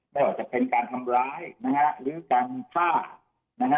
ไม่ว่าจะเป็นการทำร้ายนะฮะหรือการฆ่านะฮะ